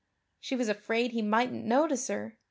She was afraid He mightn't notice her.